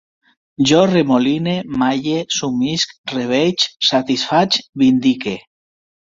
Jo remoline, malle, sumisc, reveig, satisfaig, vindique